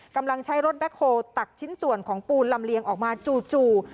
กำลังใช้รถแบ็คโฮลตักชิ้นส่วนของปูนลำเลียงออกมาจู่